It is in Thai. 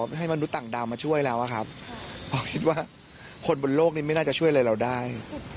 ตอนนี้ขอให้มนุษย์ต่างดาวมาช่วยเราครับต้องคิดว่าคนบนโลกนี้ไม่น่าจะช่วยอะไรเราได้